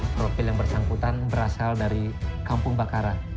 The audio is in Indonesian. profil yang bersangkutan berasal dari kampung bakaran